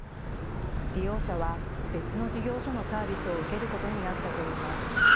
利用者は別の事業所のサービスを受けることになったといいます。